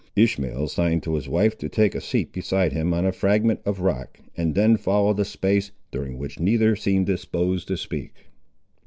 Ishmael signed to his wife to take a seat beside him on a fragment of rock, and then followed a space, during which neither seemed disposed to speak.